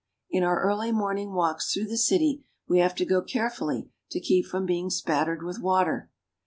In our early morning walks through the city we have to go carefully to keep from being spattered with water.